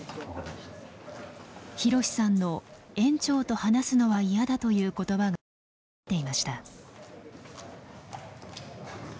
ひろしさんの「園長と話すのは嫌だ」という言葉が気になっていました。